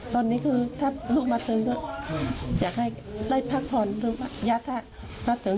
ตอนนี้คือถ้าลูกมาถึงอยากให้ได้พักผ่อนหรือยาท่ามาถึง